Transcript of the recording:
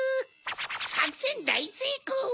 さくせんだいせいこう！